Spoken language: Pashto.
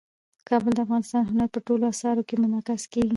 کابل د افغانستان د هنر په ټولو اثارو کې منعکس کېږي.